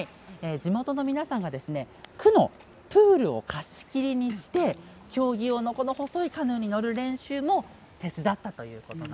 地元の皆さんが区のプールを貸し切りにして競技用の細いカヌーに乗る練習も手伝ったということなんですね。